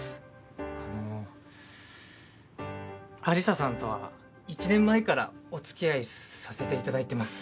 あの有沙さんとは１年前からお付き合いさせていただいてます。